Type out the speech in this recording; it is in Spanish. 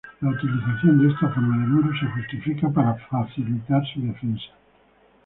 La utilización de esta forma de muros se justifica para facilitar su defensa.